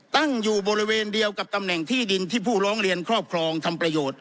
ตั้งอยู่บริเวณเดียวกับตำแหน่งที่ดินที่ผู้ร้องเรียนครอบครองทำประโยชน์